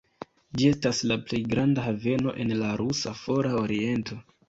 Ĝi estas la plej granda haveno en la rusa Fora Oriento.